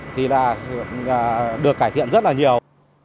thì là được cải thiện rất là nhiều